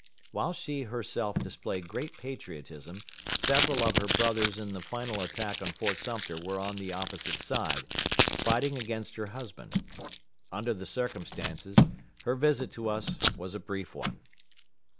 While she herself displayed great patriotism, several of her brothers in the final attack on Fort Sumter were on the opposite side, fighting against her husband. Under the circumstances, her visit to us was a brief one.